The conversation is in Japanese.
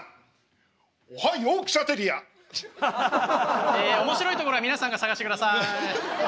面白いところは皆さんが探してください。